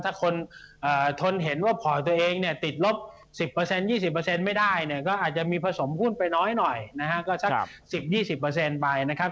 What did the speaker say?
ถ้าคนทนเห็นว่าพลอยตัวเองเนี่ยติดลบ๑๐๒๐ไม่ได้เนี่ยก็อาจจะมีผสมหุ้นไปน้อยหน่อยนะฮะก็สัก๑๐๒๐ไปนะครับ